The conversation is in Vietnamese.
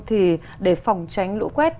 thì để phòng tránh lũ quét